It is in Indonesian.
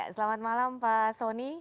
selamat malam pak sonny